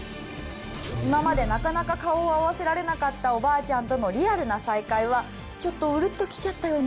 今までなかなか顔を合わせられなかったおばあちゃんとのリアルな再会はちょっとうるっときちゃったよね。